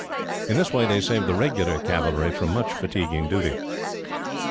In this way, they saved the regular cavalry from much fatiguing duty.